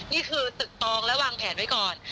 นี่คือตึกตองและวางแผนไว้ก่อน